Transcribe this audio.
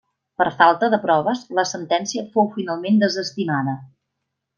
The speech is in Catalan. Per falta de proves, la sentència fou finalment desestimada.